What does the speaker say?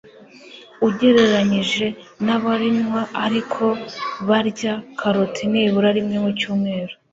ugereranyije n'abarinywa ariko barya karoti nibura rimwe mu cyumweru.